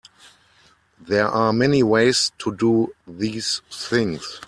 There are many ways to do these things.